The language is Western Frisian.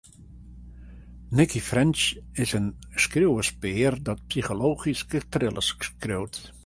Nicci French is in skriuwerspear dat psychologyske thrillers skriuwt.